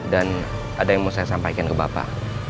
dan ada yang mau saya sampaikan ke bapak